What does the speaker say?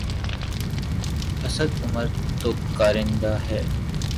اسد عمر تو کارندہ ہے۔